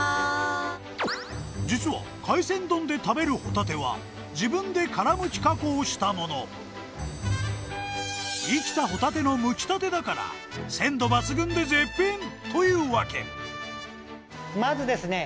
実は海鮮丼で食べるホタテは自分で殻むき加工したもの生きたホタテのむきたてだから鮮度抜群で絶品というわけまずですね